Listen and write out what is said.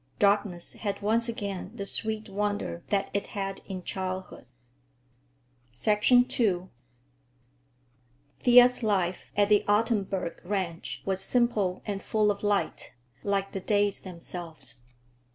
Darkness had once again the sweet wonder that it had in childhood. II Thea's life at the Ottenburg ranch was simple and full of light, like the days themselves.